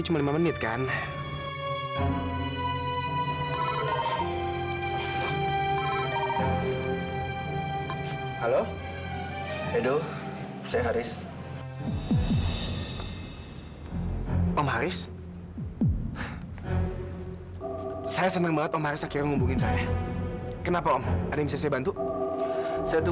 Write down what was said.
terima kasih bu ambar